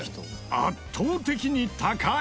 圧倒的に高い！